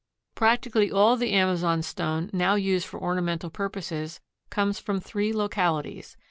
Practically all the amazonstone now used for ornamental purposes comes from three localities.